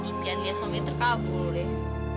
impian lia sampai terkabul deh